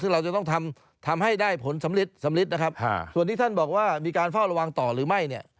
ซึ่งเราจะต้องทำให้ได้ผลสำลิดสำลิดนะครับส่วนที่ท่านบอกว่ามีการเฝ้าระวังต่อหรือไม่เนี่ย